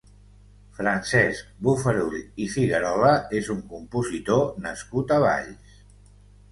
Francesc Bofarull i Figuerola és un compositor nascut a Valls.